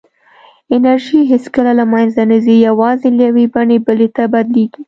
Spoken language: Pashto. انرژي هېڅکله له منځه نه ځي، یوازې له یوې بڼې بلې ته بدلېږي.